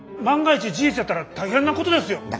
万が一事実やったら大変なことですよ？